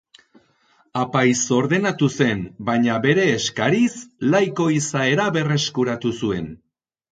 Apaiz ordenatu zen, baina bere eskariz laiko izaera berreskuratu zuen.